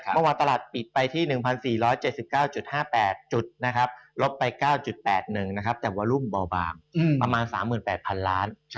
เมื่อวานตลาดปิดไปที่๑๔๗๙๕๘จุดลบไป๙๘๑แต่วอลูมเบาบางประมาณ๓๘๐๐๐ล้าน